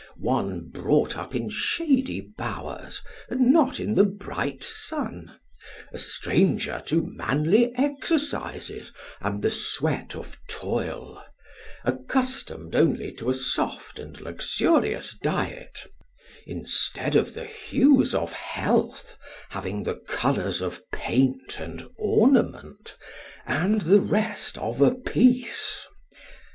One brought up in shady bowers and not in the bright sun, a stranger to manly exercises and the sweat of toil, accustomed only to a soft and luxurious diet, instead of the hues of health having the colours of paint and ornament, and the rest of a piece?